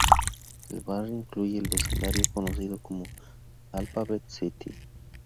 El barrio incluye el vecindario conocido como Alphabet City.